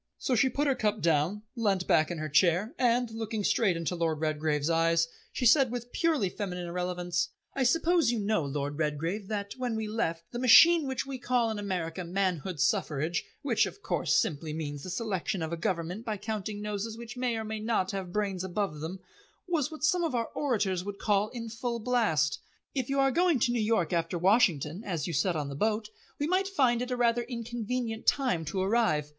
So she put her cup down, leant back in her chair, and, looking straight into Lord Redgrave's eyes, she said with purely feminine irrelevance: "I suppose you know, Lord Redgrave, that, when we left, the machine which we call in America Manhood Suffrage which, of course, simply means the selection of a government by counting noses which may or may not have brains above them was what some of our orators would call in full blast. If you are going to New York after Washington, as you said on the boat, we might find it a rather inconvenient time to arrive.